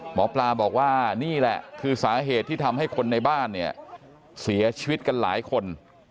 หมอปลาบอกว่านี่แหละคือสาเหตุที่ทำให้คนในบ้านเนี่ยเสียชีวิตกันหลายคน